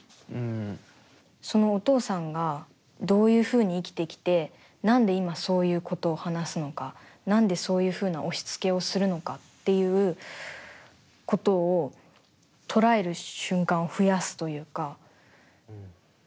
そのお父さんがどういうふうに生きてきて何で今そういうことを話すのか何でそういうふうな押しつけをするのかっていうことを捉える瞬間を増やすというか。